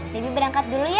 debbie berangkat dulu ya